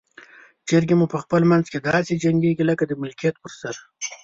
چرګې مو په خپل منځ کې داسې جنګیږي لکه د ملکیت پر سر.